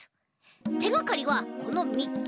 てがかりはこのみっつ。